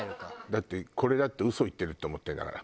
だってこれだって嘘言ってるって思ってるんだから。